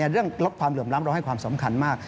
เรื่องลดความเหลื่อมล้ำเราให้ความสำคัญมาก